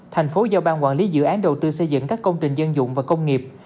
thành phố giao ban quản lý dự án đầu tư xây dựng các công trình dân dụng và công nghiệp